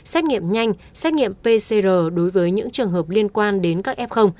xét nghiệm nhanh xét nghiệm pcr đối với những trường hợp liên quan đến các f